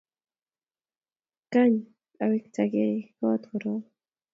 kany awektagei koot korok.